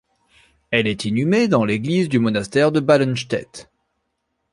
Elle est inhumée dans l'église du monastère de Ballenstedt.